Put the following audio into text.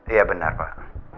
iya benar pak